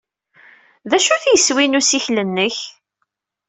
D acu-t yeswi n ussikel-nnek?